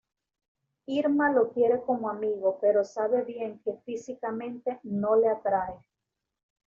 Irma lo quiere como amigo pero sabe bien que físicamente no le atrae.